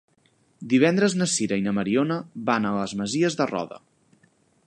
Divendres na Sira i na Mariona van a les Masies de Roda.